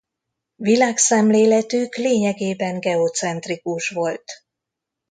Világszemléletük lényegében geocentrikus volt.